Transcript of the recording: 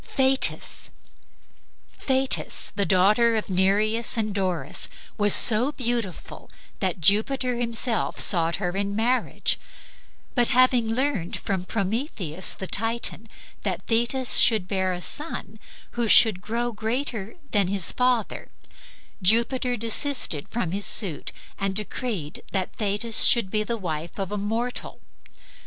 THETIS Thetis, the daughter of Nereus and Doris, was so beautiful that Jupiter himself sought her in marriage; but having learned from Prometheus the Titan that Thetis should bear a son who should grow greater than his father, Jupiter desisted from his suit and decreed that Thetis should be the wife of a mortal.